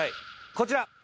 こちら。